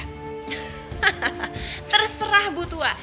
hahaha terserah butua